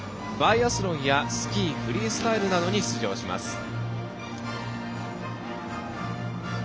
バイアスロンやスキー・フリースタイルなどに出場します。